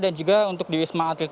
dan juga untuk di wisma atlet